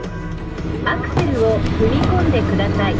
アクセルを踏み込んでください。